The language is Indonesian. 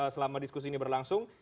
selama diskusi ini berlangsung